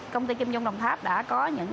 công ty kim dung đồng tháp đã có những